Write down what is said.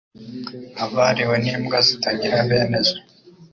Abariwe n'imbwa zitagira bene zo